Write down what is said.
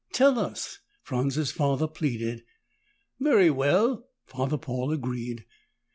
"Tell us," Franz's father pleaded. "Very well," Father Paul agreed.